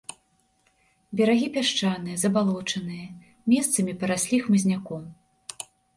Берагі пясчаныя, забалочаныя, месцамі параслі хмызняком.